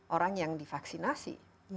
orang yang divaksinasi